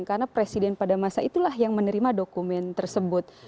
karena presiden pada masa itulah yang menerima dokumen tersebut